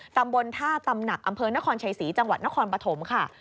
ตำบลท่าตำหนักอำเภอนครชัยศรีจังหวัดนครปฐมค่ะ